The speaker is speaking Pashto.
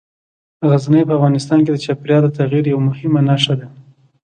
غزني په افغانستان کې د چاپېریال د تغیر یوه مهمه نښه ده.